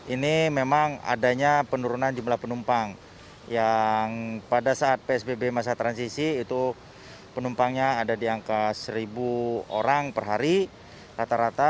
ini memang adanya penurunan jumlah penumpang yang pada saat psbb masa transisi itu penumpangnya ada di angka seribu orang per hari rata rata